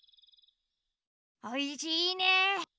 おいしいね。